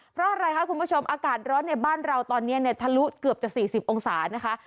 เพราะอะไรคะคุณผู้ชมอากาศร้อนในบ้านเราตอนนี้เนี่ยทะลุเกือบจะ๔๐องศานะคะ